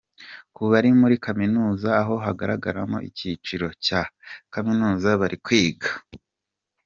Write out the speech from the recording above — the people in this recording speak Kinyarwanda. Ku bari muri Kamimuza ho hagaragaragamo icyiciro cya kaminuza bari kwiga.